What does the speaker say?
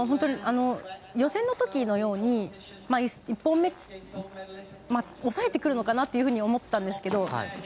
予選のときのように１本目、抑えてくるのかなと思ったんですけれども。